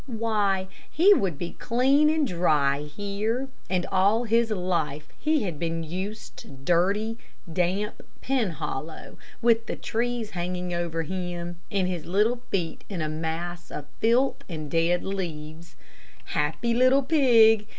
Why, he would be clean and dry here, and all his life he had been used to dirty, damp Penhollow, with the trees hanging over him, and his little feet in a mass of filth and dead leaves. Happy little pig!